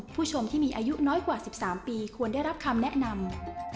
ผู้ชมที่มีอายุน้อยกว่า๑๓ปีควรได้รับคำแนะนำ